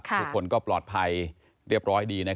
ทุกคนก็ปลอดภัยเรียบร้อยดี